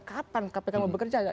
kapan kpk mau bekerja